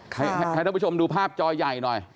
ให้ท่านผู้ชมดูภาพจอใหญ่หน่อย